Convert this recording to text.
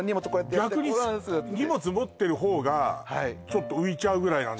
逆に荷物持ってる方がちょっと浮いちゃうぐらいなんだ